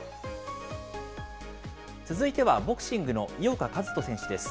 続いてはボクシングの井岡一翔選手です。